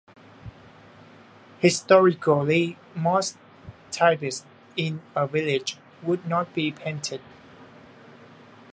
Historically, most tipis in a village would not be painted.